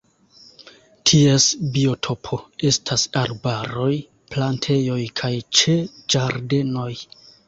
Ties biotopo estas arbaroj, plantejoj kaj ĉe ĝardenoj.